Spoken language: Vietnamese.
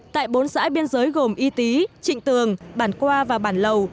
tại bốn xã biên giới gồm y tý trịnh tường bản qua và bản lầu